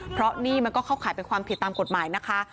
เพราะนี่มันก็เข้าข่ายเป็นความผิดตามกฎหมายนะคะ